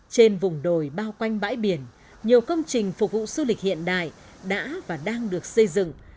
trên vùng đồi bao quanh bãi biển nhiều công trình phục vụ du lịch hiện đại đã và đang được xây dựng